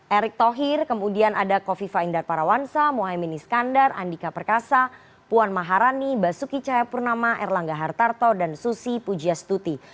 erick thohir kemudian ada kofifa indar parawansa mohaimin iskandar andika perkasa puan maharani basuki cahayapurnama erlangga hartarto dan susi pujiastuti